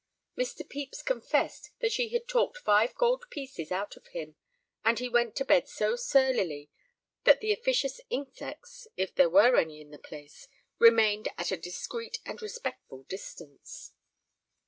Mr. Pepys confessed that she had talked five gold pieces out of him, and he went to bed so surlily that the officious insects, if there were any in the place, remained at a discreet and respectful distance.